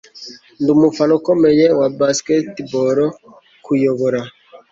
Ndi umufana ukomeye wa baseball kuyobora